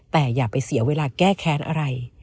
แต่อย่าไปเสียเวลาแก้แค้นอะไร